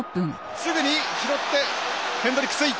すぐに拾ってヘンドリック・ツイ。